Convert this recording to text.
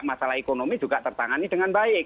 masalah ekonomi juga tertangani dengan baik